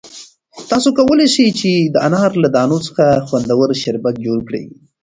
تاسو کولای شئ چې د انار له دانو څخه خوندور شربت جوړ کړئ.